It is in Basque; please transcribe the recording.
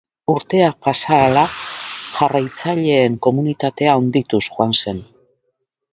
Urteak pasa ahala, jarraitzaileen komunitatea handituz joan zen.